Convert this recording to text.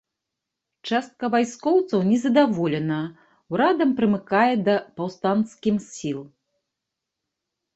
Частка вайскоўцаў незадаволена ўрадам прымыкае да паўстанцкім сіл.